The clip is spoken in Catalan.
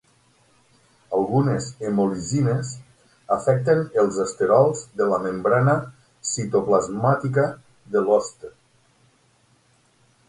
Algunes hemolisines afecten els esterols de la membrana citoplasmàtica de l'hoste.